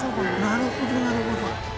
なるほどなるほど。